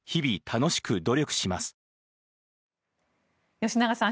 吉永さん